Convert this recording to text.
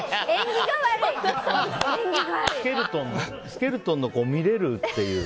スケルトンの見れるという。